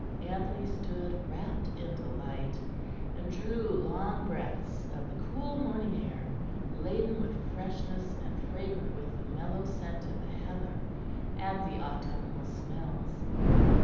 Anthony stood rapt in delight, and drew long breaths of the cool morning air, laden with freshness and fragrant with the mellow scent of the heather and the autumnal smells.